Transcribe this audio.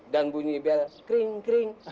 dan bunyi bel kring kring